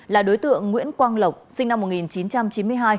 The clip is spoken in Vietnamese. là đối tượng nguyễn quang lộc sinh năm một nghìn chín trăm chín mươi hai